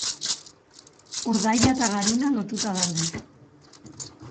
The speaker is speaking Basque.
Urdaila eta garuna lotuta daude.